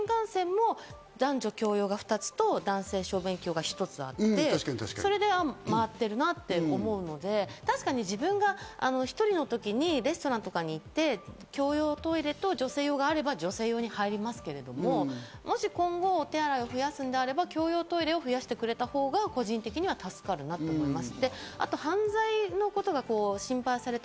あとは新幹線とかもそうですし、新幹線も男女共用が２つと、男性小便器用が一つあって、それで回ってるなって思うので、確かに自分が１人のときにレストランとかに行って共用トイレと女性用があれば女性用に入りますけれども、もし今後、お手洗いを増やすのであれば共用トイレを増やしてくれたほうが個人的には助かるなと思います。